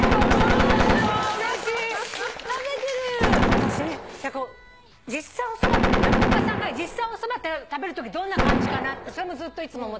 私ね実際おそば落語家さんが実際おそば食べるときどんな感じかなってそれもずっといつも思ってて。